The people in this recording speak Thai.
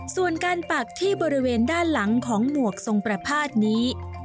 ส่วนการปักที่บริเวณด้านหลังของหมวกทรงประพาทนี้